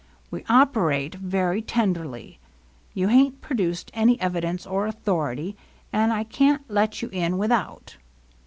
We operate very tenderly. You hain't produced any evidence or authority, and I can't let you in without."